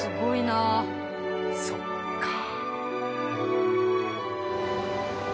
そっか。